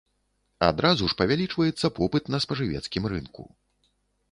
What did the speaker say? Адразу ж павялічваецца попыт на спажывецкім рынку.